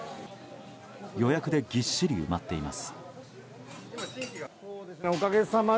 予約でぎっしり埋まっています。